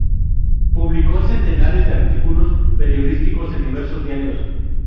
Publicó centenares de artículos periodísticos en diversos diarios.